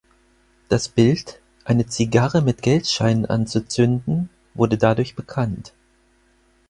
Das Bild, eine Zigarre mit Geldscheinen anzuzünden, wurde dadurch bekannt.